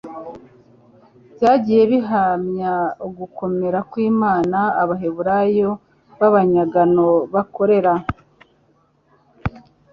byagiye bihamya ugukomera kw'Imana Abaheburayo b'abanyagano bakorera.